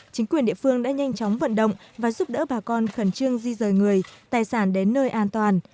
chính quyền địa phương đã nhanh chóng vận động và giúp đỡ bà con khẩn trương di rời người tài sản đến nơi an toàn